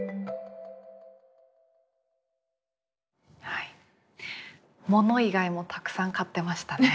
はい物以外もたくさん買ってましたね。